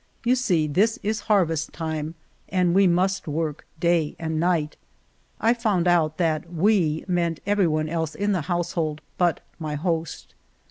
You see this is harvest time and we must work day and night." I found out that we " meant everyone else in the household but my host.